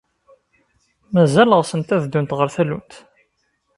Mazal ɣsent ad ddunt ɣer tallunt?